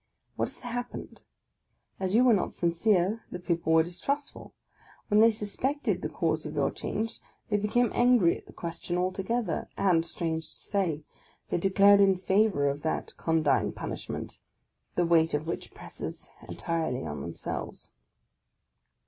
What has happened? As you were not sincere, the people were distrustful ; when they suspected the cause of your change, they became angry at the question altogether, and, strange to say, they declared in favour of that condign punishment, the weight of which presses entirely on themselves.